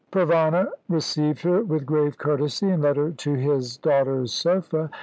Provana received her with grave courtesy, and led her to his daughter's sofa.